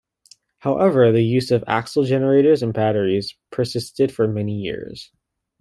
However, the use of axle generators and batteries persisted for many years.